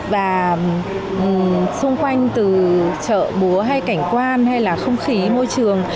và xung quanh từ chợ búa hay cảnh quan hay là không khí môi trường